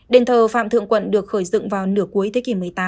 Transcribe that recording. đền thờ phạm thượng quận được khởi dựng vào nửa cuối thế kỷ một mươi tám